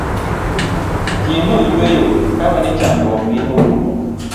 ji noyueyo kawe ni chandruok gi orumo